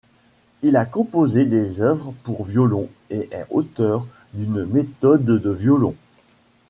Il a composé des œuvres pour violon et est l'auteur d'une méthode de violon.